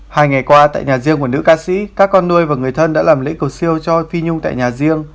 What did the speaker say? hai ngày qua tại nhà riêng của nữ ca sĩ các con nuôi và người thân đã làm lễ cầu siêu cho phi nhung tại nhà riêng